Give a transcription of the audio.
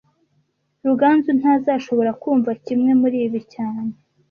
Ruganzu ntazashobora kumva kimwe muribi cyane